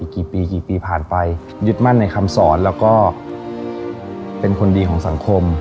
กี่ปีกี่ปีผ่านไปยึดมั่นในคำสอนแล้วก็เป็นคนดีของสังคม